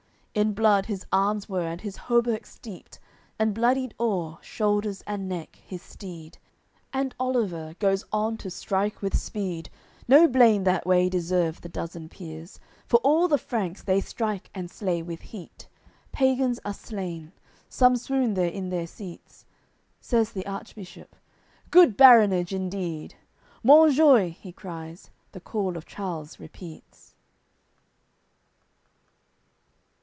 In blood his arms were and his hauberk steeped, And bloodied o'er, shoulders and neck, his steed. And Oliver goes on to strike with speed; No blame that way deserve the dozen peers, For all the Franks they strike and slay with heat, Pagans are slain, some swoon there in their seats, Says the Archbishop: "Good baronage indeed!" "Monjoie" he cries, the call of Charles repeats.